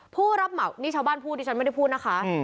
ผู้รับเหมานี่ชาวบ้านพูดที่ฉันไม่ได้พูดนะคะ